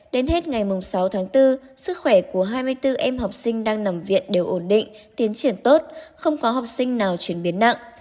đến hết ngày sáu tháng bốn sức khỏe của hai mươi bốn em học sinh đang nằm viện đều ổn định tiến triển tốt không có học sinh nào chuyển biến nặng